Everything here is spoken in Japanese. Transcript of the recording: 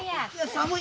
寒い！